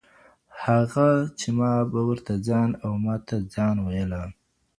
هغه چي ما به ورته ځان او ما ته ځان ويله